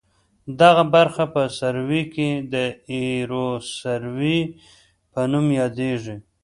دغه برخه په سروې کې د ایروسروې په نوم یادیږي